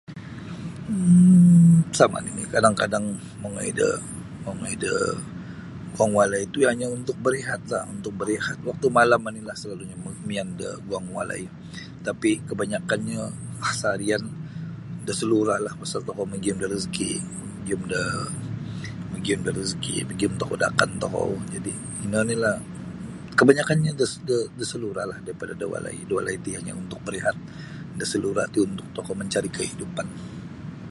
um Sama' nini' kadang-kadang mongoi do mongoi do daguang walai ti hanya' untuk barihatlah untuk barihat waktu malam oni'lah salalu miyan daguang walai tapi' kabanyakannyo saharian da salura' lah pasal tokou magiyum da rezki magium da um da rezki magiyum da akan tokou jadi inolah kabanyakannyo da do salura'lah daripada da walai da walai ti untuk barihat da salura' ti untuk mancari' kahidupan.